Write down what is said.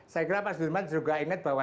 saya kira pak sudirman juga ingat bahwa